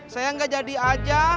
saya nggak jadi aja